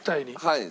はい。